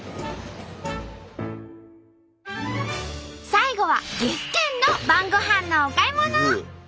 最後は岐阜県の晩ごはんのお買い物。